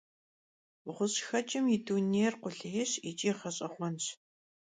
Ğuş'xeç'ım yi dunêyr khulêyş yiç'i ğeş'eğuenş.